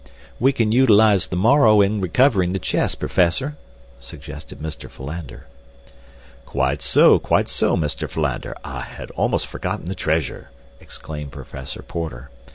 "We can utilize the morrow in recovering the chest, Professor," suggested Mr. Philander. "Quite so, quite so, Mr. Philander, I had almost forgotten the treasure," exclaimed Professor Porter.